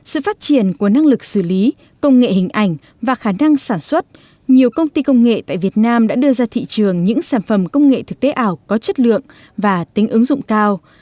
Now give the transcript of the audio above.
sự phát triển của năng lực xử lý công nghệ hình ảnh và khả năng sản xuất nhiều công ty công nghệ tại việt nam đã đưa ra thị trường những sản phẩm công nghệ thực tế ảo có chất lượng và tính ứng dụng cao